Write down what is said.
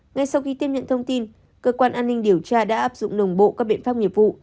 ngay sau khi tiếp nhận thông tin cơ quan an ninh điều tra đã áp dụng đồng bộ các biện pháp nghiệp vụ